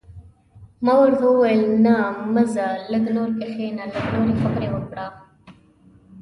ما ورته وویل: نه، مه ځه، لږ نور کښېنه، لږ نورې خبرې وکړه.